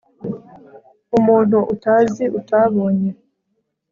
umuntu utazi utabonye